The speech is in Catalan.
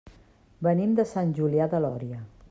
Venim de Sant Julià de Lòria.